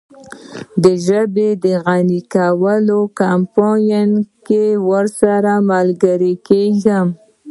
د ژبې د غني کولو کمپاین کې ورسره ملګری کیږم.